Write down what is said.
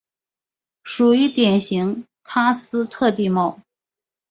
属于典型喀斯特地貌。